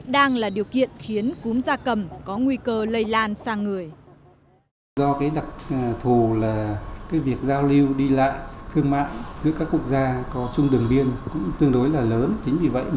đang là điều kiện khiến cúm da cầm có nguy cơ lây lan sang người